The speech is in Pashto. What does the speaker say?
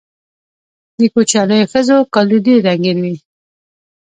د کوچیانیو ښځو کالي ډیر رنګین وي.